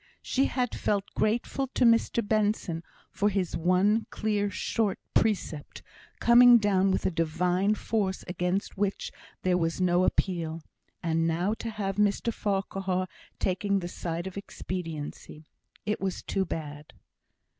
She had felt grateful to Mr Benson for his one clear, short precept, coming down with a divine force against which there was no appeal; and now to have Mr Farquhar taking the side of expediency! It was too bad.